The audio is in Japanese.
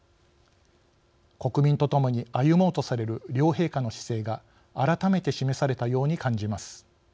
国民とともに歩もうとされる両陛下の姿勢が改めて示されたように感じます。